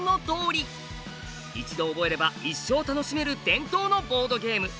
一度覚えれば一生楽しめる伝統のボードゲーム。